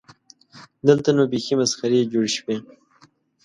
دلته نو بیخي مسخرې جوړې شوې.